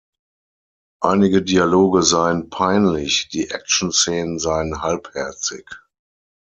Einige Dialoge seien peinlich, die Actionszenen seien halbherzig.